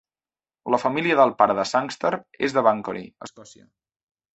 La família del pare de Sangster és de Banchory, Escòcia.